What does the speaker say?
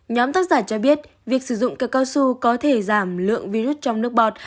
nhóm tác giả cho biết việc sử dụng từ cao su có thể giảm lượng virus trong nước bọt